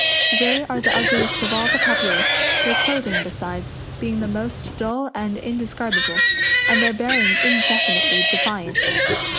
They are the ugliest of all the populace, their clothing, besides, being the most dull and indescribable, and their bearing indefinitely defiant.